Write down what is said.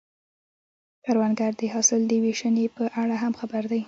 کروندګر د حاصل د ویشنې په اړه هم خبر دی